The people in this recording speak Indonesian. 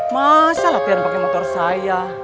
masa lah pengen pake motor saya